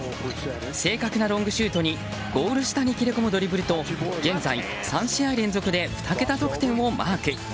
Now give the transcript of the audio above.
正確なロングシュートにゴール下に切り込むドリブルと現在、３試合連続で２桁得点をマーク。